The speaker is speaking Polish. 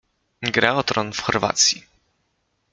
Gra o Tron w Chorwacji.